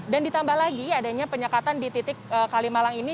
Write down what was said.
dan ditambah lagi adanya penyekatan di titik kalimalang ini